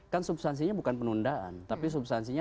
kan substansinya bukan penundaan tapi substansinya